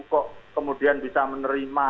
kok kemudian bisa menerima